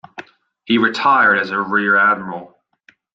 He retired as a rear admiral.